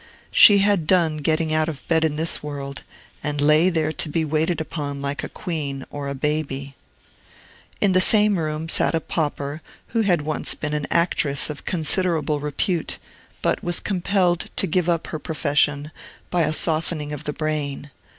She had done getting out of bed in this world, and lay there to be waited upon like a queen or a baby. In the same room sat a pauper who had once been an actress of considerable repute, but was compelled to give up her profession by a softening of the brain.